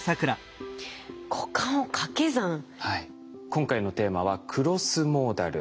今回のテーマは「クロスモーダル」。